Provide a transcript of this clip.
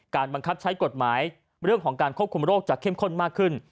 บังคับใช้กฎหมายเรื่องของการควบคุมโรคจะเข้มข้นมากขึ้น